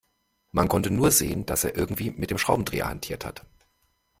Man konnte nur sehen, dass er irgendwie mit dem Schraubendreher hantiert hat.